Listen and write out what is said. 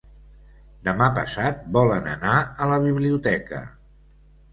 Demà passat volen anar a la biblioteca.